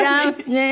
ねえ。